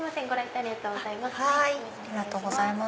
ありがとうございます。